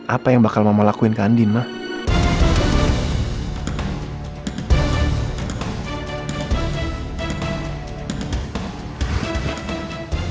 apa yang bakal mama lakuin ke andin mas